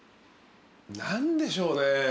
何でしょうね。